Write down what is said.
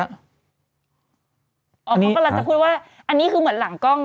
เขากำลังจะพูดว่าอันนี้คือเหมือนหลังกล้อง